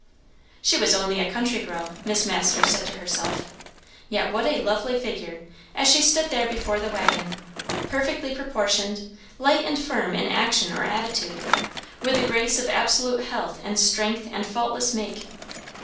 She was only a country girl, Miss Masters said to herself. Yet what a lovely figure, as she stood there before the waggon; perfectly proportioned, light and firm in action or attitude, with the grace of absolute health and strength and faultless make.